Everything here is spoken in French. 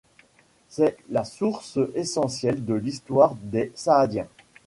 C'est la source essentielle de l'histoire des Saadiens.